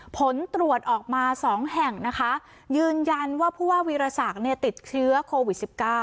ผลตรวจออกมา๒แห่งนะคะยืนยันว่าผู้ว่าวีรศักดิ์ติดเชื้อโควิด๑๙